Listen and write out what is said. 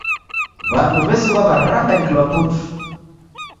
W'andu w'esighwa w'aranganyikilwa putu.